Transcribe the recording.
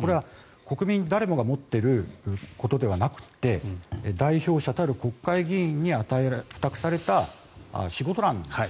これは国民誰もが持っていることではなくて代表者たる国会議員に負託された仕事なんです。